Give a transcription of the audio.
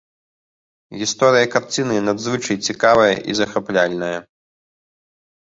Гісторыя карціны надзвычай цікавая і захапляльная.